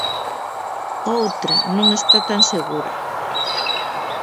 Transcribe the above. Outra non está tan segura.